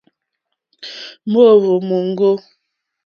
Mòóhwò móŋɡô.